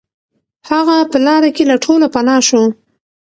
هغه په لاره کې له ټولو پناه شو.